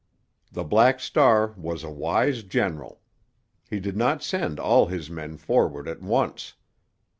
The Black Star was a wise general; he did not send all his men forward at once.